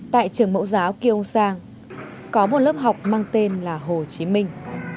tại trường mẫu giáo kiêu sang có một lớp học mang tên là hồ chí minh